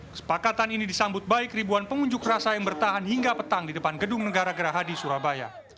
kesepakatan ini disambut baik ribuan pengunjuk rasa yang bertahan hingga petang di depan gedung negara gerahadi surabaya